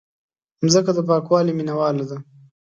مځکه د پاکوالي مینواله ده.